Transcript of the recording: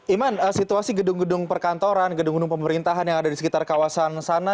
iman situasi gedung gedung perkantoran gedung gedung pemerintahan yang ada di sekitar kawasan sana